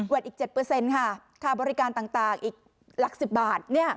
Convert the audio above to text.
อีก๗ค่ะค่าบริการต่างอีกหลัก๑๐บาท